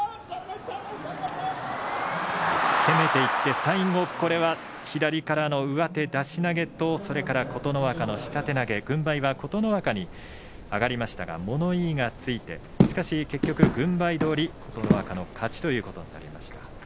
攻めていって最後これは左からの上手出し投げとそれから琴ノ若の下手投げ軍配は琴ノ若に上がりましたが物言いがついてしかし結局、軍配どおり琴ノ若の勝ちということになりました。